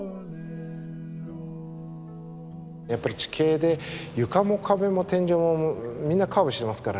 やっぱり地形で床も壁も天井もみんなカーブしてますからね。